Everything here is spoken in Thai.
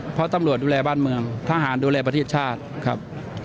เพราะตำรวจดูแลบ้านเมืองทหารดูแลประเทศชาติครับ